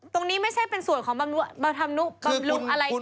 ตรงนี้ไม่ใช่เป็นส่วนของบำรุกอะไรที่